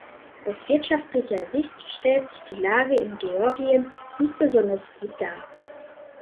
Aus wirtschaftlicher Sicht stellt sich die Lage in Georgien nicht besonders gut dar.